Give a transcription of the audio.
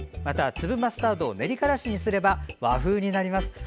また粒マスタードを練りがらしにすれば和風になります。